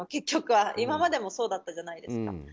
今までもそうだったじゃないですか。